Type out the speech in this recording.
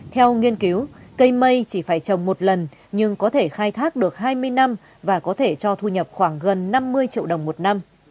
theo nghiên cứu cây mây chỉ phải trồng một lần nhưng có thể khai thác được hai mươi năm và có thể cho thu nhập khoảng gần